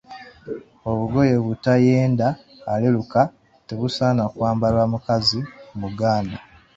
Obugoye ‘bu tayenda aleluka’ tebusaana kwambalwa mukazi Muganda.